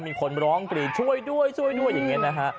มีคนร้องกรีดช่วยด้วยช่วยด้วยอย่างนี้นะฮะ